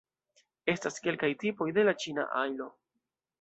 Estas kelkaj tipoj de la ĉina ajlo.